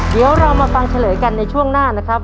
เดี๋ยวเรามาฟังเฉลยกันในช่วงหน้านะครับ